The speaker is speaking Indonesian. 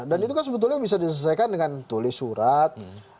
dan itu kan sebetulnya bisa diselesaikan dengan tulis surat